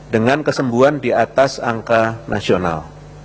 dengan kesembuhan di atas angka nasional